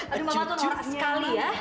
aduh mama tuh norak sekali ya